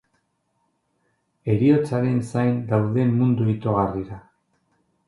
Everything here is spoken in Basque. Heriotzaren zain daudenen mundu itogarrira.